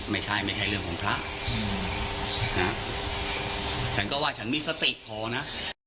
ไม่ใช่ไม่ใช่เรื่องของพระนะฉันก็ว่าฉันมีสติพอนะ